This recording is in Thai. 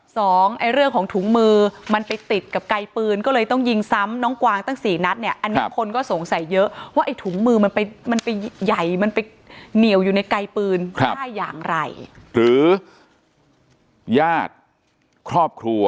สองเรื่องของถุงมือมันไปติดกับไกลปืนก็เลยต้องยิงซ้ำน้องกวางตั้ง๔นับ